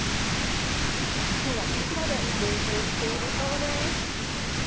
きょうはこちらで練習しているそうです。